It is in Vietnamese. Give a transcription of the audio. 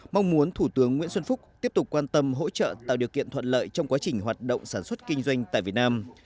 mong muốn thủ tướng nguyễn xuân phúc tiếp tục quan tâm hỗ trợ tạo điều kiện thuận lợi trong quá trình hoạt động sản xuất kinh doanh tại việt nam